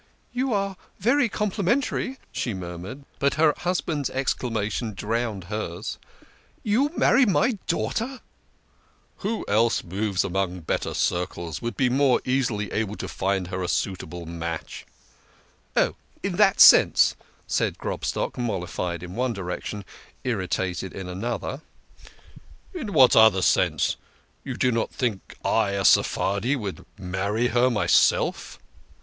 "You are very complimentary," she murmured, but her husband's exclamation drowned hers, " You marry my daughter !"" Who else moves among better circles would be more easily able to find her a suitable match ?"" Oh, in that sense," said Grobstock, mollified in one direction, irritated in another. "In what other sense? You do not think I, a Sephardi, would marry her myself